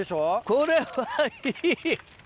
これはいい！